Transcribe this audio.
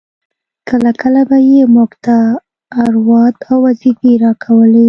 کله کله به يې موږ ته اوراد او وظيفې راکولې.